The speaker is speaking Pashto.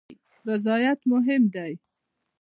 رضایت مهم دی